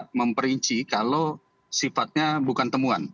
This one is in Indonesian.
kita tidak bisa memperinci kalau sifatnya bukan temuan